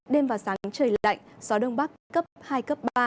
đêm và sáng trời lạnh gió đông bắc cấp hai cấp ba